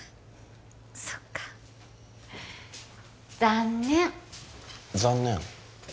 そっか残念残念？